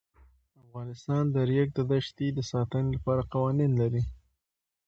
افغانستان د د ریګ دښتې د ساتنې لپاره قوانین لري.